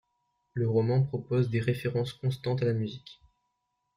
Le roman propose des références constantes à la musique.